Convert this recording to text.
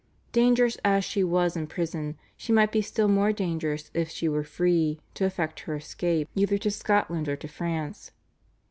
Dangerous as she was in prison, she might be still more dangerous if she were free to effect her escape either to Scotland or to France.